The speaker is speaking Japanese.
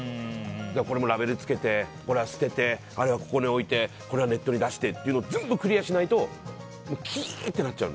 これもラベルを付けてこれは捨ててあれはここに置いてこれはネットに出してというのを全部クリアしないとキー！ってなっちゃう。